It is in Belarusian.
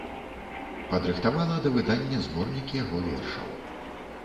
Падрыхтавала да выдання зборнік яго вершаў.